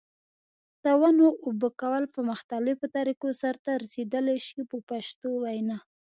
د ونو اوبه کول په مختلفو طریقو سرته رسیدلای شي په پښتو وینا.